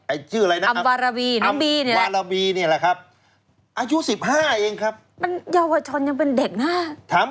ไอจื่ออะไรเนอะอัมวารวีน้องบีเนี่ยแหละอัมวารวีนี่แหละครับ